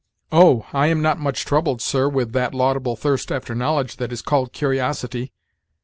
"Oh! I am not much troubled, sir, with that laudable thirst after knowledge that is called curiosity.